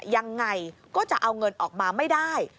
ยังไงก็จะเอาเงินออกมาไม่ได้